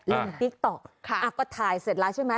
อ่าเล่นติ๊กต๊อกค่ะอ่าก็ถ่ายเสร็จแล้วใช่ไหม